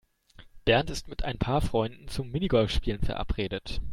Bernd ist mit ein paar Freunden zum Minigolfspielen verabredet.